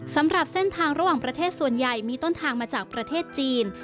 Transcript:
สำหรับเส้นทางระหว่างประเทศส่วนใหญ่มีต้นทางมาจากประเทศจีน